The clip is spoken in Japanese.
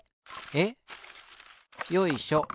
えっ？よいしょ。